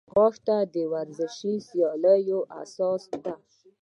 ځغاسته د ورزشي سیالیو اساس ده